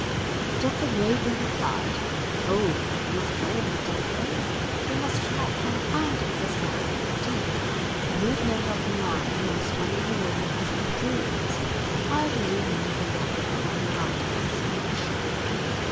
The doctor gravely replied: "Oh! not at all, my dear friend. We must not confound exercise and fatigue. The movement of the man who is turning the wheel is injurious, while the movement of the walker or the rider is beneficial."